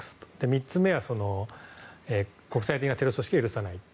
３つ目は国際的なテロ組織を許さないと。